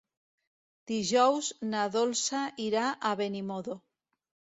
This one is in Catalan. Dijous na Dolça irà a Benimodo.